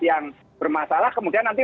yang bermasalah kemudian nanti